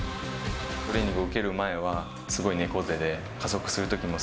トレーニングを受ける前はすごい猫背で、加速するときも、